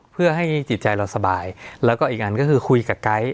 เพื่อให้จิตใจเราสบายแล้วก็อีกอันก็คือคุยกับไก๊